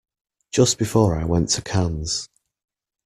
Just before I went to Cannes.